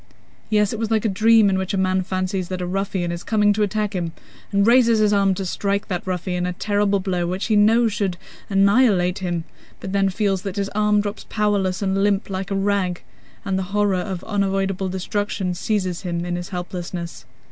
Yes, it was like a dream in which a man fancies that a ruffian is coming to attack him, and raises his arm to strike that ruffian a terrible blow which he knows should annihilate him, but then feels that his arm drops powerless and limp like a rag, and the horror of unavoidable destruction seizes him in his helplessness.